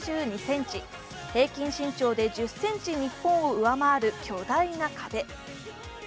平均身長で１０ｃｍ日本を上回る巨大な壁。